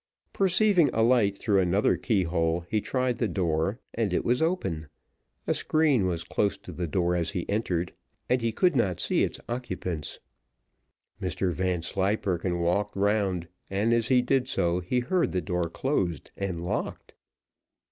Perceiving a light through another keyhole, he tried the door, and it was open; a screen was close to the door as he entered, and he could not see its occupants. Mr Vanslyperken walked round, and as he did so, he heard the door closed and locked.